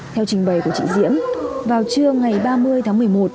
theo trình bày của chị diễm vào trưa ngày ba mươi tháng một mươi một